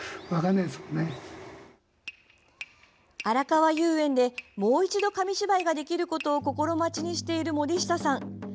あらかわ遊園でもう一度、紙芝居ができることを心待ちにしている森下さん。